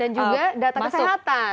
dan juga data kesehatan